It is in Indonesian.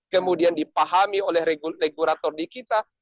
kemudian dipahami oleh regulator di kita